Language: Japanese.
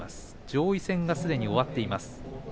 上位戦はすでに終わってきています。